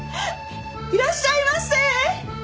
いらっしゃいませ！